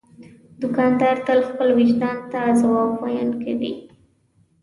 دوکاندار تل خپل وجدان ته ځواب ویونکی وي.